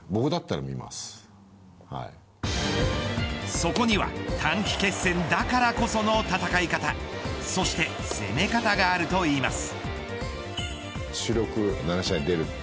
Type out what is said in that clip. そこには短期決戦だからこその戦い方そして攻め方があるといいます。